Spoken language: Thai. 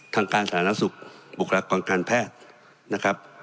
ทางการสาธารณสุขบุคลากรการแพทย์นะครับ